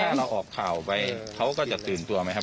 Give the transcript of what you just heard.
ถ้าเราออกข่าวไปเขาก็จะตื่นตัวไหมครับ